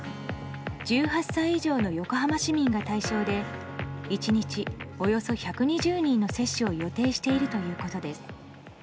１８歳以上の横浜市民が対象で１日およそ１２０人の接種を予定しているということです。